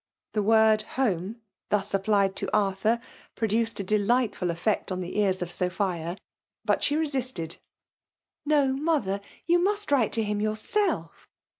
The word *' home/' thus applied to Arthur, produced a delightful effect on the ears of Sophia : but she resisted. No, — smother! — you must write to him yourself.